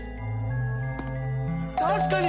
確かに！